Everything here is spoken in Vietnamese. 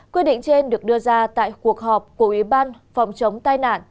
quyết định trên được đưa ra tại cuộc họp của ủy ban phòng chống tai nạn